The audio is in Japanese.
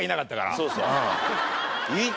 そうそう。